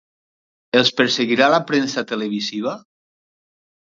Els perseguirà la premsa televisiva?